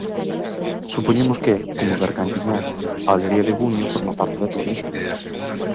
Supoñemos que, como bergantiñá, a Olería de Buño forma parte da túa vida.